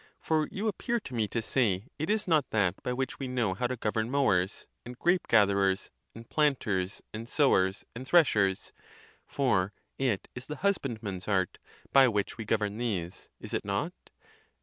For you appear to me to say it is not that, by which we know how to govern mowers, and grape gatherers, and planters, and sowers, and threshers; for it is the husband man's art, by which we govern these. Is it not?